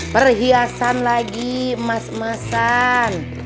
kelasan lagi emas emasan